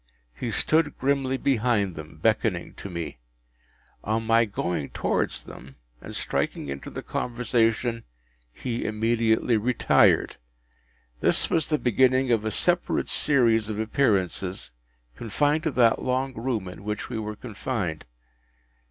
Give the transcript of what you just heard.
He stood grimly behind them, beckoning to me. On my going towards them, and striking into the conversation, he immediately retired. This was the beginning of a separate series of appearances, confined to that long room in which we were confined.